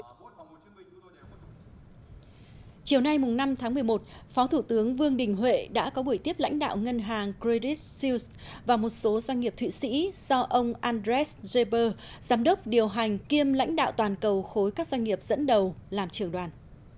chiều nay năm tháng một mươi một phó thủ tướng vương đình huệ đã có buổi tiếp lãnh đạo ngân hàng credit siêu và một số doanh nghiệp thụy sĩ do ông andres jber giám đốc điều hành kiêm lãnh đạo toàn cầu khối các doanh nghiệp dẫn đầu làm trưởng đoàn